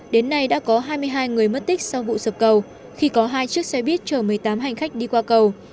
đến nay đã có hai mươi hai người mất tích sau vụ sập cầu khi có hai chiếc xe buýt chở một mươi tám hành khách đi qua cầu